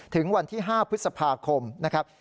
ถึงวันที่๕พฤษภาคมนะครับ